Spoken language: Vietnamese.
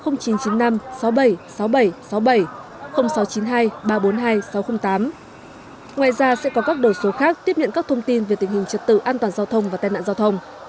ngoài ra sẽ có các đầu số khác tiếp nhận các thông tin về tình hình trật tự an toàn giao thông và tai nạn giao thông